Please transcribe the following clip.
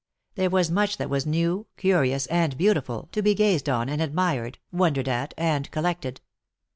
There was much that was new, curious, and beauti ful, to be gazed on and admired, wondered at, and collected.